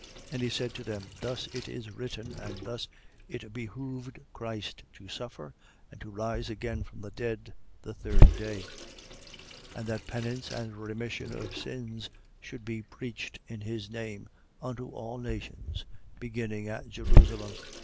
24:46. And he said to them: Thus it is written, and thus it behoved Christ to suffer and to rise again from the dead, the third day: 24:47. And that penance and remission of sins should be preached in his name, unto all nations, beginning at Jerusalem.